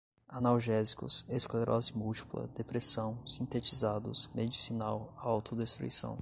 analgésicos, esclerose múltipla, depressão, sintetizados, medicinal, autodestruição